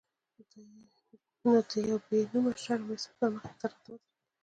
نو د یو بې نومه شرم احساس به مخې ته راته ودرېد.